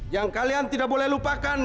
yang kalian tidak boleh lupakan